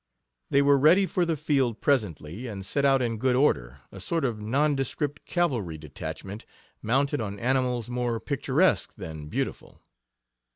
They were ready for the field, presently, and set out in good order, a sort of nondescript cavalry detachment, mounted on animals more picturesque than beautiful.